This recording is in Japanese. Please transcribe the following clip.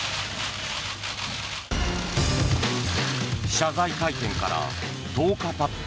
謝罪会見から１０日たった